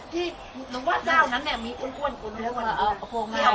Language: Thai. ที่หนูว่าเจ้านั้นเนี้ยมีอุ้นอุ้นอุ้นอุ้นเอาโฮงาย